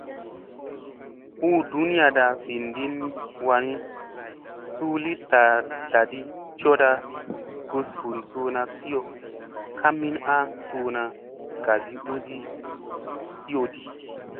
Hu ɗuniyaɗa vinɗin wa nii, suu li tlaɗi cooɗa gus vun suuna kiyo ka min ana suuna gasi usi kiyo di.